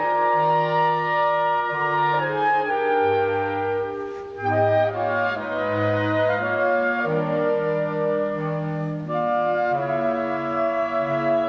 โปรดติดตามต่อไป